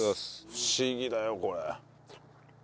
不思議だよこれ。